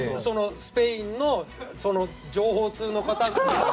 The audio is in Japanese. スペインの情報通の方が。